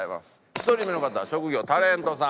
１人目の方職業タレントさん。